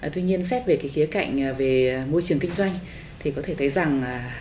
tuy nhiên xét về khía cạnh về môi trường kinh doanh thì có thể thấy rằng